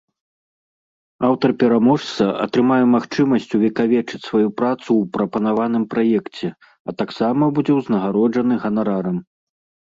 Аўтар-пераможца атрымае магчымасць увекавечыць сваю працу ў прапанаваным праекце, а таксама будзе ўзнагароджаны ганарарам.